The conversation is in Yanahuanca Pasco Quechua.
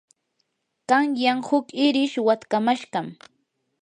qanyan huk irish watkamashqam.